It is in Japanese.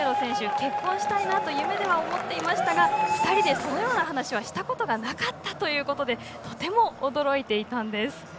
結婚したいなと夢では思っていましたが２人でそのような話はしたことがなかったということでとても驚いていたんです。